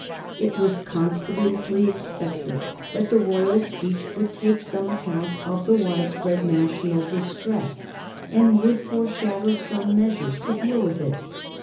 It was confidently expected that the royal speech would take some account of the widespread national distress and would foreshadow some measures to deal with it.